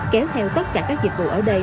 kéo theo tất cả các dịch vụ ở đây